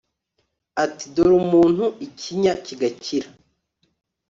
ati, dore umuntu» , ikinya kigakira